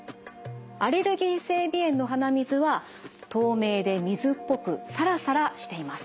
アレルギー性鼻炎の鼻水は透明で水っぽくサラサラしています。